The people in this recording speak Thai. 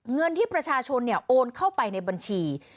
เงินที่ประชาชนโอนเข้าไปในบัญชี